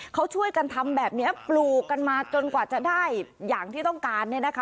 เขาช่วยกันทำแบบนี้ปลูกกันมาจนกว่าจะได้อย่างที่ต้องการเนี่ยนะคะ